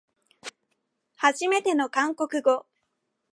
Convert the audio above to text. はじめての韓国語